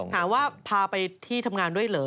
หาว่าพาไปที่ทำงานด้วยเหรอ